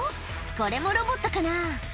これもロボットかな？